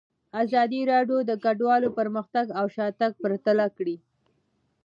ازادي راډیو د کډوالو پرمختګ او شاتګ پرتله کړی.